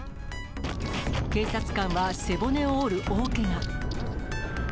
警察官は背骨を折る大けが。